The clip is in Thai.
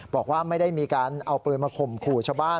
บอกว่าไม่ได้มีการเอาปืนมาข่มขู่ชาวบ้าน